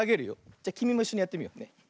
じゃきみもいっしょにやってみようね。